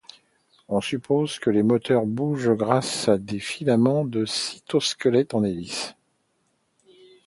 On suppose que les moteurs bougent grâce à des filaments de cytosquelette en hélice.